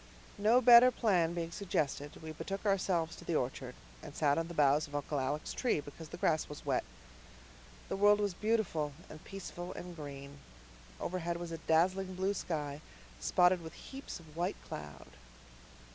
No better plan being suggested, we betook ourselves to the orchard, and sat on the boughs of Uncle Alec's tree because the grass was wet. The world was beautiful and peaceful and green. Overhead was a dazzling blue sky, spotted with heaps of white cloud.